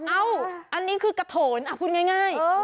เอ้านี่คือกะโถนนะคุณง่าย